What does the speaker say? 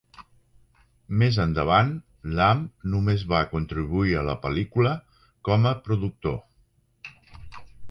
Més endavant, Lam només va contribuir a la pel·lícula com a productor.